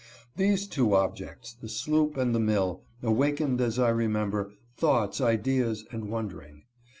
These two objects, the sloop and mill, awakened as I remember, thoughts, ideas, and wondering.